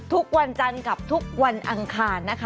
ทุกวันจันทร์กับทุกวันอังคารนะคะ